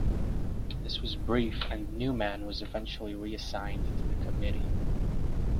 This was brief, and Neumann was eventually reassigned to the committee.